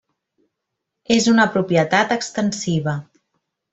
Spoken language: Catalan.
És una propietat extensiva.